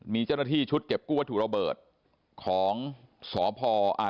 มีเจ้าหน้าที่ชุดเก็บกู้วัตถุระเบิดของสพอ่า